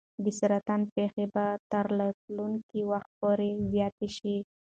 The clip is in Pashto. د سرطان پېښې به تر راتلونکي وخت پورې زیاتې شي.